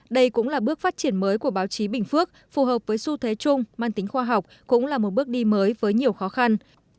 đây cũng là bước phát triển mới của báo chí bình phước phù hợp với xu thế chung mang tính khoa học cũng là một bước đi mới với nhiều khó khăn